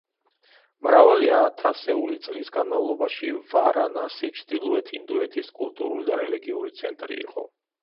მრავალი ათასეული წლის განმავლობაში ვარანასი ჩრდილოეთ ინდოეთის კულტურული და რელიგიური ცენტრი იყო.